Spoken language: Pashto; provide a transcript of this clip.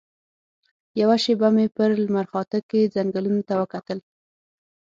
یوه شېبه مې په لمرخاته کې ځنګلونو ته وکتل.